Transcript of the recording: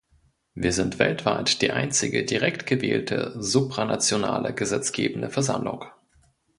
Wir sind weltweit die einzige direkt gewählte supranationale gesetzgebende Versammlung.